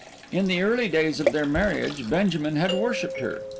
In the early days of their marriage Benjamin had worshipped her.